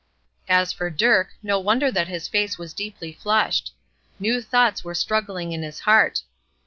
As for Dirk, no wonder that his face was deeply flushed. New thoughts were struggling in his heart.